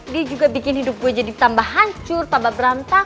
dia juga bikin hidup gue jadi tambah hancur tambah beranta